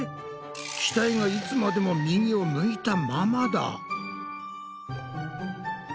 機体がいつまでも右を向いたままだ！